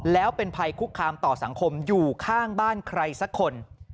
แล้วเป็นภัยคุกคามต่อสังคมอยู่ข้างบ้านใครสักคน